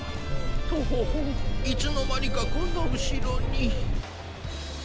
とほほいつのまにかこんなうしろに。